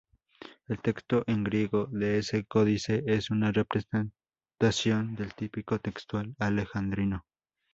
El texto en griego de este códice es una representación del tipo textual alejandrino.